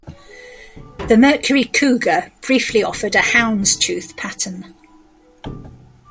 The Mercury Cougar briefly offered a houndstooth pattern.